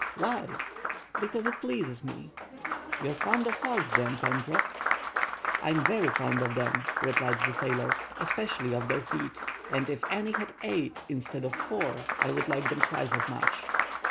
"Why?" "Because it pleases me." "You are fond of hogs, then, Pencroff?" "I am very fond of them," replied the sailor, "especially of their feet, and if any had eight instead of four I would like them twice as much."